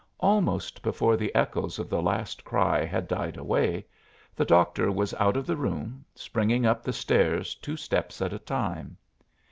Almost before the echoes of the last cry had died away the doctor was out of the room, springing up the stairs two steps at a time.